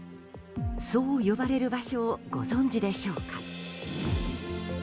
そう呼ばれる場所をご存じでしょうか？